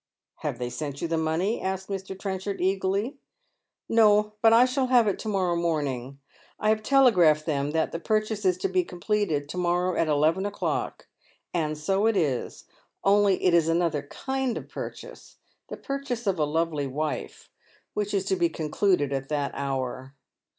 " Have they sent you the money ?" asks Mr. Trenchard, eagerly. " No. But I shall have it to morrow morning. I have tele« graphed them that the purchase is to be completed to morrow at eleven o'clock, and so it is, only it is another kind of purchase ^ the purchase of a lovely wife — which is to be concluded at that hour.